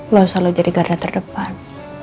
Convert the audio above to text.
lo selalu jadi garda terdepan